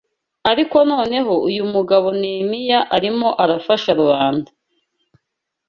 Ariko noneho uyu mugabo Nehemiya arimo arafasha rubanda